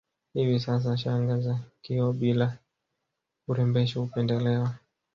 Hivi sasa shanga za kioo bila urembesho hupendelewa